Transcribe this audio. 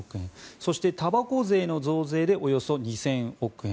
そしてたばこ税の増税でおよそ２０００億円